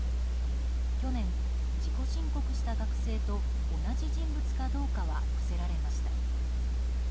去年、自己申告した学生と同じ人物かどうかは伏せられました。